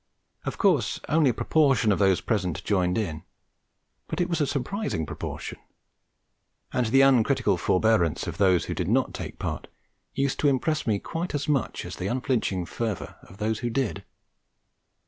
Of course, only a proportion of those present joined in; but it was a surprising proportion; and the uncritical forbearance of those who did not take part used to impress me quite as much as the unflinching fervour of those who did.